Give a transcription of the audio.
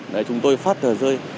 để chúng tôi phát thờ rơi